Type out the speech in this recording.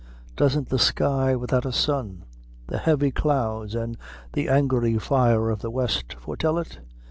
Doesn't the sky without a sun, the heavy clouds, an' the angry fire of the West, foretel it?